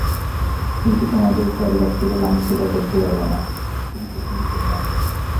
কিন্তু তোমাদের খেয়াল রাখতে গেলে আমি সেটা করতে পারব না, কিন্তু-কিন্তু, বাক!